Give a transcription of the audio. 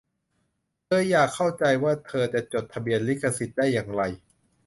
เธออยากเข้าใจว่าเธอจะจดทะเบียนลิขสิทธิ์ได้อย่างไร